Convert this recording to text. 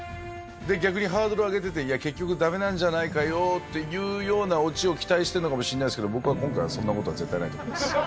逆にハードル上げてて、いや、結局だめなんじゃないかよーってオチを期待しているのかもしれませんけど、僕は今回は、そんなことは絶対ないと思います。